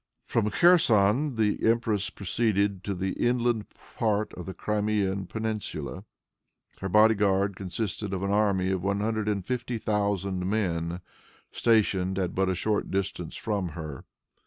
From Kherson the empress proceeded to the inland part of the Crimean peninsula. Her body guard consisted of an army of one hundred and fifty thousand men, stationed at but a short distance from her.